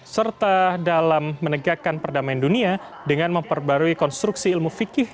serta dalam menegakkan perdamaian dunia dengan memperbarui konstruksi ilmu fikih